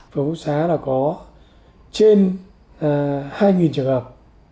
phương phúc xá là có trên hai trường hợp